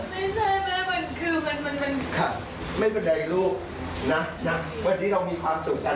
ไม่ใช่มันคือมันค่ะไม่เป็นไรลูกนะวันนี้เรามีความสุขกัน